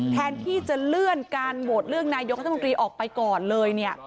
แทนที่จะเลื่อนการโหวตเรื่องนายกท่านบังกลีออกไปก่อนเลย